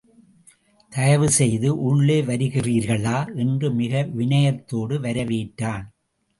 தயவுசெய்து உள்ளே வருகிறீர்களா? என்று மிக வினயத்தோடு வரவேற்றான்.